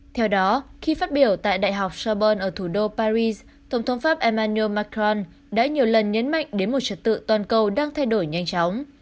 theo đó khi phát biểu tại đại học surberl ở thủ đô paris tổng thống pháp emmanu macron đã nhiều lần nhấn mạnh đến một trật tự toàn cầu đang thay đổi nhanh chóng